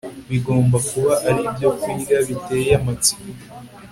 Bigomba kuba ari ibyokurya biteye amatsiko